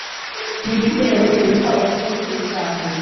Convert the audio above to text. n'igitero kiruta ubwinshi icya mbere